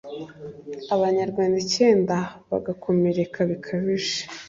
Abanyarwanda icyenda bagakomereka bikabije